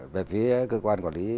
về phía cơ quan quản lý